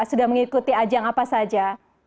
sudah mengikuti ajang apa saja